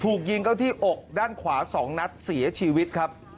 ถูกยิงเข้าที่อกด้านขวา๒นัดเสียชีวิตครับ